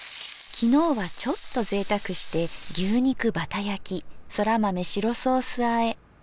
昨日はちょっと贅沢して牛肉バタ焼きそら豆白ソースあえ。